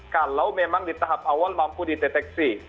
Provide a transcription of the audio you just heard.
kalau memang di tahap awal mampu dideteksi